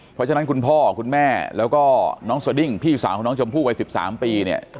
เพราะฉะนั้นคุณพ่อคุณแม่แล้วก็น้องสดิ้งพี่สาวของน้องชมพู่วัย๑๓ปีเนี่ย